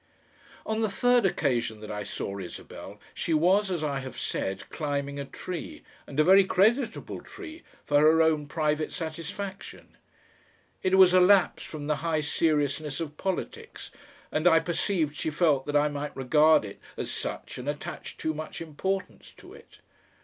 On the third occasion that I saw Isabel she was, as I have said, climbing a tree and a very creditable tree for her own private satisfaction. It was a lapse from the high seriousness of politics, and I perceived she felt that I might regard it as such and attach too much importance to it.